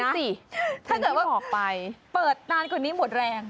นั่นสิถ้าเกิดว่าเปิดนานกว่านี้หมดแรง